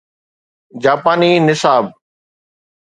جاپاني نصاب